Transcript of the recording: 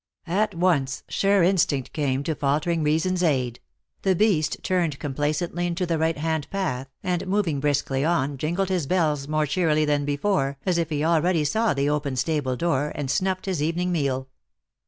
At once, sure instinct came to faltering reason s aid ; the beast turned com placently into the right hand path, and moving briskly on, jingled his bells more cheerily than before, as if he already saw the open stable door, and snuifed his evening meal.